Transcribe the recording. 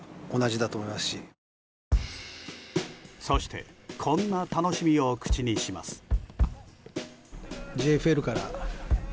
そしてこんな楽しみを口にします。